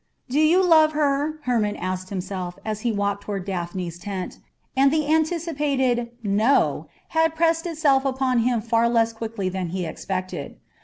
"Do you love her?" Hermon asked himself as he walked toward Daphne's tent, and the anticipated "No" had pressed itself upon him far less quickly than he expected.